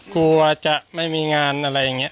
กลัวจะไม่มีงานอะไรอย่างนี้